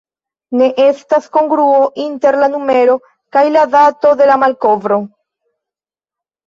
Ne estas kongruo inter la numero kaj la dato de la malkovro.